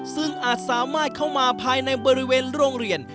ซึ่งอาจสามารถเข้ามาภายในบริเวณโรงเรียน